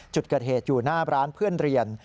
จุดเกิดเหตุอยู่หน้าร้านเพื่อนเรียน